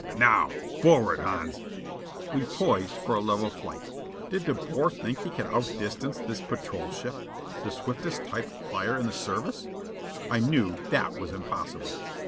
"Now, forward, Hans." We poised for the level flight. Did De Boer think he could out distance this patrol ship, the swiftest type of flyer in the Service? I knew that was impossible.